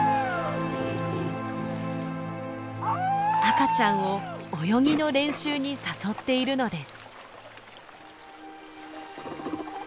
赤ちゃんを泳ぎの練習に誘っているのです。